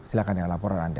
silahkan yang laporan anda